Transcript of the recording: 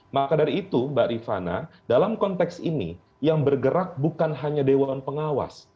maka dari itu mbak rifana dalam konteks ini yang bergerak bukan hanya dewan pengawas